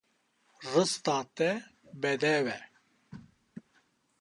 Rista te bedew e.